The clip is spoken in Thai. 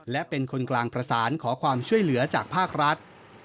และเป็นคนกลางประสานขอความช่วยเหลือจากภาครัฐ